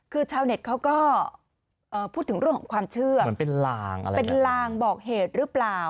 คือชาวเน็ตเขาก็พูดถึงเรื่องของความเชื่อเป็นลางบอกเหตุหรือเปล่า